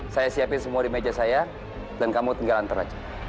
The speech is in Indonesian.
saya siapin semua di meja saya dan kamu tinggal antar aja